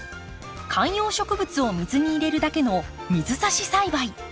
観葉植物を水に入れるだけの水挿し栽培。